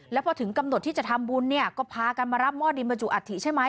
แล้วพอถึงกำหนดที่จะทำบุญเนี่ยก็พากันมารับหม้อดินบรรจุอัฐิใช่ไหม